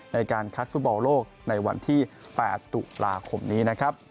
ในการคัดฟุตบอลโลกในวันที่๘ตุลาคมนี้นะครับ